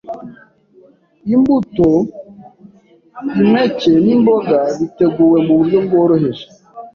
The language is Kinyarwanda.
Imbuto, impeke n’imboga, biteguwe mu buryo bworoheje,